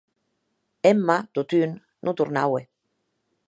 Emma, totun, non tornaue.